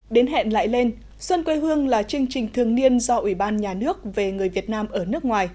đến hẹn lại lên xuân quê hương là chương trình thường niên do ủy ban nhà nước về người việt nam ở nước ngoài